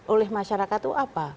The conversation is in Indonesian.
oleh masyarakat itu apa